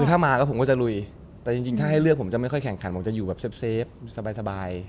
ถ้ามาก็ผมก็จะลุยแต่จริงถ้าให้เลือกผมจะไม่ค่อยแข่งขันผมจะอยู่แบบเซฟสบาย